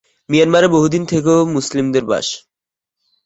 মিয়ানমারে বহুদিন থেকেও মুসলিমদের বাস।